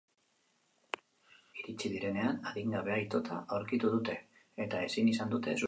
Iritsi direnean, adingabea itota aurkitu dute, eta ezin izan dute suspertu.